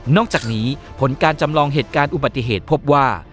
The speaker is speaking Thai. จากนี้ผลการจำลองเหตุการณ์อุบัติเหตุพบว่า